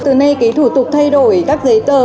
từ nay cái thủ tục thay đổi các giấy tài liệu